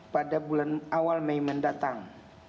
pada bulan awal mei mendatang